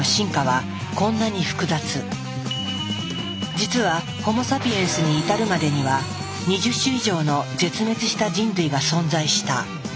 実はホモ・サピエンスに至るまでには２０種以上の絶滅した人類が存在した。